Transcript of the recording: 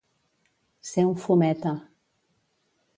Ser un fumeta.